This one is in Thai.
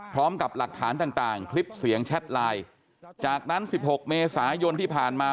พร้อมกับหลักฐานต่างต่างคลิปเสียงแชทไลน์จากนั้นสิบหกเมษายนที่ผ่านมา